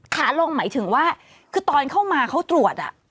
ขาลงหมายถึงว่าคือตอนเข้ามาเขาตรวจ